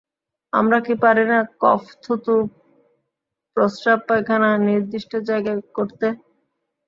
আমরা কি পারি না কফ থুতু, প্রস্রাব পায়খানা নির্দিষ্ট জায়গায় করতে?